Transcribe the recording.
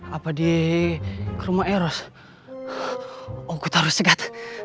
apa di rumah eros aku taruh segat